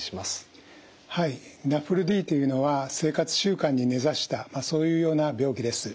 はいＮＡＦＬＤというのは生活習慣に根ざしたそういうような病気です。